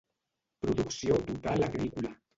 Producció total agrícola.